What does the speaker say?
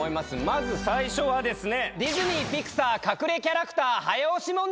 まず最初はですね。